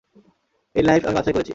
এই লাইফ আমি বাছাই করেছি।